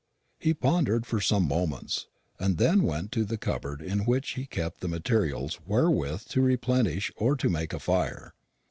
He pondered for some moments, and then went to the cupboard in which he kept the materials wherewith to replenish or to make a fire.